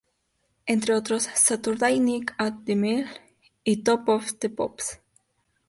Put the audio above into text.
Entre otros, "Saturday Night At The Mill" y "Top of the Pops".